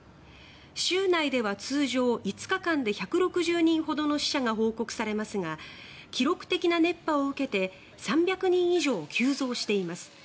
州内では通常５日間で１６０人ほどの死者が報告されますが記録的な熱波を受けて３００人以上急増しています。